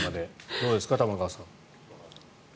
どうですか、玉川さん。